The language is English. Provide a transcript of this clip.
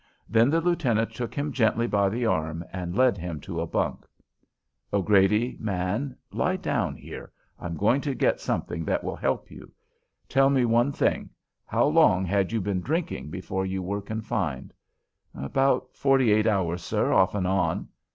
Then the lieutenant took him gently by the arm and led him to a bunk: "O'Grady, man, lie down here. I'm going to get something that will help you. Tell me one thing: how long had you been drinking before you were confined?" "About forty eight hours, sir, off and on."